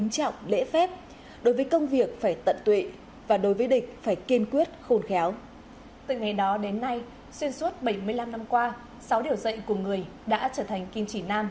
từ ngày đó đến nay xuyên suốt bảy mươi năm năm qua sáu điều dạy của người đã trở thành kim chỉ nam